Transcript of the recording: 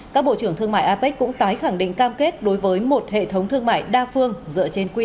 các bộ trưởng thương mại apec cũng tái khẳng định cam kết đối với một hệ thống thương mại đa phương dựa trên quy